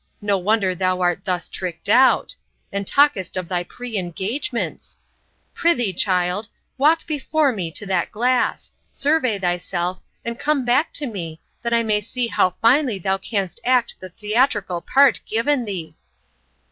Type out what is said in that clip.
No wonder thou art thus tricked out, and talkest of thy pre engagements! Pr'ythee, child, walk before me to that glass; survey thyself, and come back to me, that I may see how finely thou can'st act the theatrical part given thee!